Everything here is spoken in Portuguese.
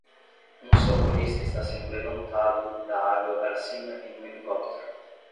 Um socorrista está sendo levantado da água para cima em um helicóptero.